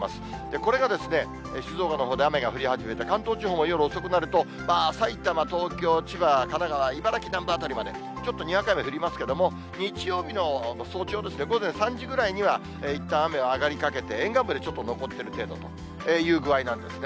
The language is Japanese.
これが静岡のほうで雨が降り始めて、関東地方も夜遅くなると埼玉、東京、千葉、神奈川、茨城南部辺りまで、ちょっとにわか雨降りますけれども、日曜日の早朝ですね、午前３時ぐらいにはいったん雨は上がりかけて、沿岸部でちょっと残ってる程度という具合なんですね。